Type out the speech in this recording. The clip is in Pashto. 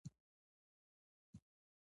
د افغانستان بانکي سیستم څومره خوندي دی؟